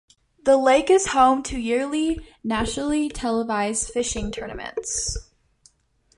The lake is home to yearly nationally-televised fishing tournaments.